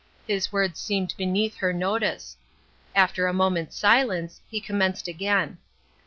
His words seemed beneath her notice. After a moment's silence, he commenced again.